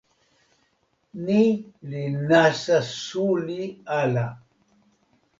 ni li nasa suli ala.